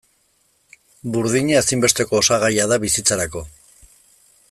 Burdina ezinbesteko osagaia da bizitzarako.